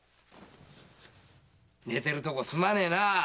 寝てるとこすまねえ。